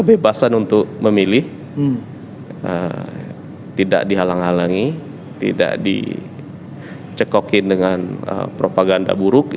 kebebasan untuk memilih tidak dihalang halangi tidak dicekokin dengan propaganda buruk